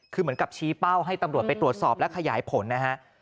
คือเหมือนกับชี้เป้าให้ตำรวจไปตรวจสอบและขยายผลนะฮะ